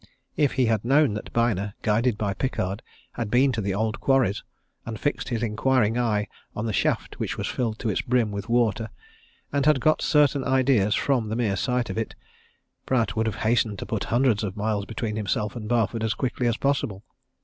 If he had known that Byner, guided by Pickard, had been to the old quarries, had fixed his inquiring eye on the shaft which was filled to its brim with water, and had got certain ideas from the mere sight of it, Pratt would have hastened to put hundreds of miles between himself and Barford as quickly as possible.